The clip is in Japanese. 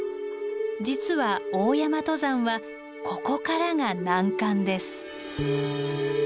実は大山登山はここからが難関です。